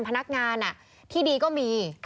พนักงานที่ดีก็มี